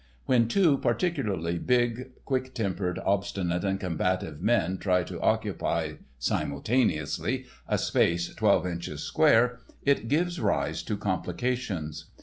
When two particularly big, quick tempered, obstinate, and combative men try to occupy, simultaneously, a space twelve inches square, it gives rise to complications.